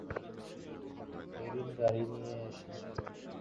আমাকে ডুবতে দেবেন না, তাই না?